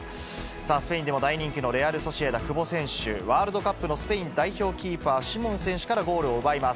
スペインでも大人気のレアル・ソシエダ、久保選手、ワールドカップのスペイン代表キーパー、シモン選手からゴールを奪います。